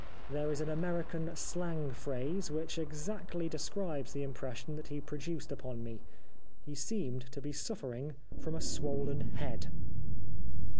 There is an American slang phrase which exactly describes the impression that he produced upon me. He seemed to be suffering from a swollen head."